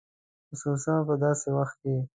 خصوصاً په داسې وخت کې.